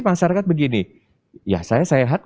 masyarakat begini ya saya sehat